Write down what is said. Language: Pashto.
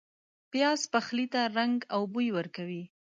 پیاز پخلي ته رنګ او بوی ورکوي